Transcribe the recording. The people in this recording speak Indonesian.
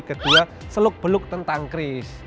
kedua seluk beluk tentang kris